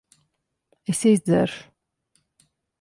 Es izdzeršu.